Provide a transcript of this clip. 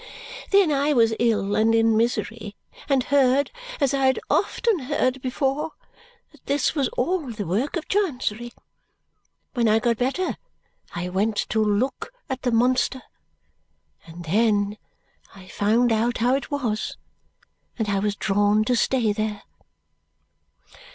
Then I was ill and in misery, and heard, as I had often heard before, that this was all the work of Chancery. When I got better, I went to look at the monster. And then I found out how it was, and I was drawn to stay there."